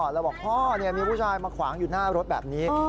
แล้วบอกพ่อมีผู้ชายมาขวางอยู่หน้ารถแบบนี้